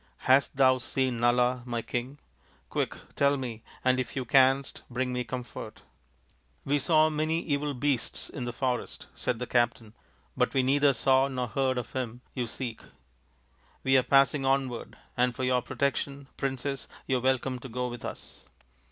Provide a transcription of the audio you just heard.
" Hast thou seen Nala, my king ? Quick, tell me, and if thou canst, bring me comfort." " We saw many evil beasts in the forest," said the captain, " but we neither saw nor heard of him you i 3 4 THE INDIAN STORY BOOK seek. We are passing onward, and for your protec tion, princess, you are welcome to go with us."